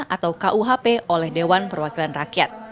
atau kuhp oleh dewan perwakilan rakyat